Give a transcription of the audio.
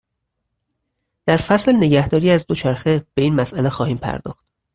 در فصل نگهداری از دوچرخه به این مساله خواهیم پرداخت.